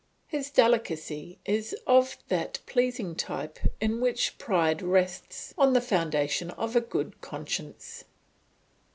His delicacy is of that pleasing type in which pride rests on the foundation of a good conscience.